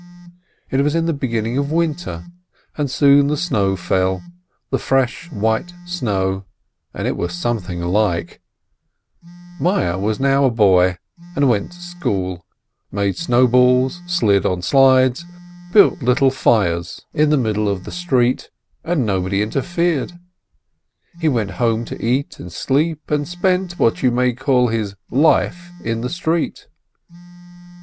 It was in the beginning of winter, and soon the snow fell, the fresh white snow, and it was something like ! Meyerl was now a "boy," he went to "school," made snowballs, slid on the slides, built little fires in the 484 SCHAPIRO middle of the street, and nobody interfered. He went home to eat and sleep, and spent what you may call his "life" in the street.